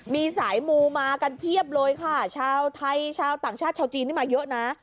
มีสายมูมากันเพียบเลยค่ะชาวไทยชาวต่างชาติชาวจีนนี่มาเยอะนะ